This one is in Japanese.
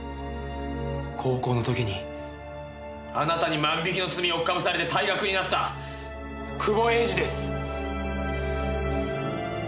高校の時にあなたに万引きの罪をおっ被されて退学になった久保栄司です。